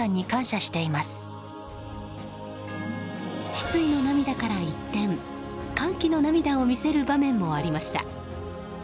失意の涙から一転歓喜の涙を見せる場面もありました。